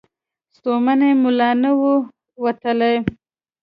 ستومني مو لا نه وه وتلې.